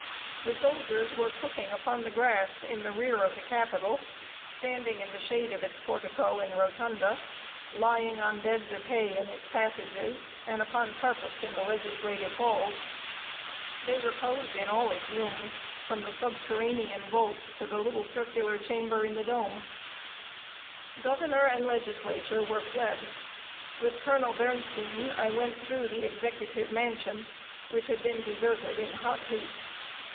The soldiers were cooking upon the grass in the rear of the Capitol, standing in the shade of its portico and rotunda, lying on beds of hay in its passages, and upon carpets in the legislative halls. They reposed in all its rooms, from the subterranean vaults to the little circular chamber in the dome. [Sidenote: UNTAINTED WITH "B. REPUBLICANISM."] Governor and Legislature were fled. With Colonel B[oe]rnstein, I went through the executive mansion, which had been deserted in hot haste.